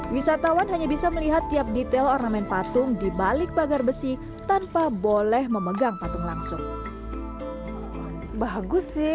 wisatawan hanya bisa melihat tiap detail ornamen patung di balik pagar besi tanpa boleh memegang patung langsung